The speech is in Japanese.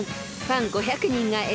［ファン５００人が選ぶ